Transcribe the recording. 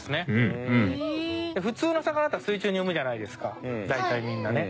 普通の魚だったら水中に産むじゃないですか大体みんなね。